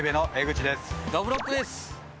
どぶろっくです！